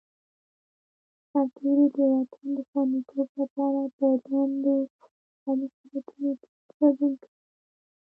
سرتېری د وطن د خوندیتوب لپاره په دندو او مسوولیتونو کې ګډون کوي.